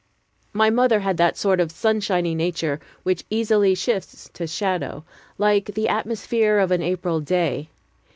My mother had that sort of sunshiny nature which easily shifts to shadow, like the atmosphere of an April day.